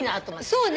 そうね。